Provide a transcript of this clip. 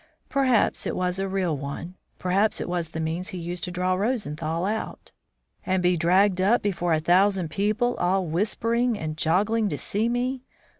Perhaps it was a real one, perhaps it was the means he used to draw Rosenthal out. "And be dragged up before a thousand people, all whispering and joggling to see me?